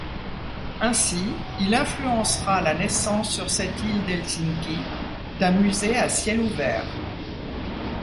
Ainsi il influencera la naissance sur cette île d'Helsinki d'un musée à ciel ouvert.